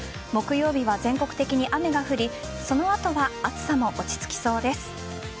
木曜日は全国的に雨が降りその後は暑さも落ち着きそうです。